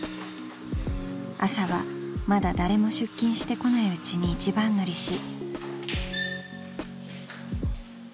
［朝はまだ誰も出勤してこないうちに一番乗りし］